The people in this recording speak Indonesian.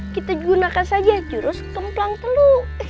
kita gunakan saja jurus kemplang teluk